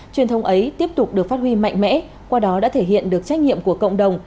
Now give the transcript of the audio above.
truyền thông ấy tiếp tục được phát huy mạnh mẽ qua đó đã thể hiện được trách nhiệm của cộng đồng